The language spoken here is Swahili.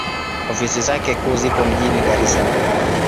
Ofisi zake kuu zipo mjini Dar es Salaam.